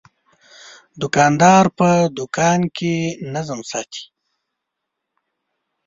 دوکاندار په دوکان کې نظم ساتي.